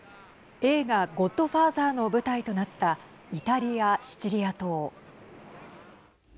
映画ゴッドファーザーの舞台となったイタリア、シチリア島。